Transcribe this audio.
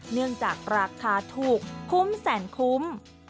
เนื่องจากราคาถูกคุ้มแสนคุ้ม